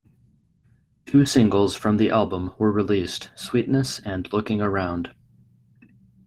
Two singles from the album were released: "Sweetness" and "Looking Around".